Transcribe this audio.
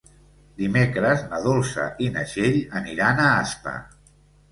Dimecres na Dolça i na Txell aniran a Aspa.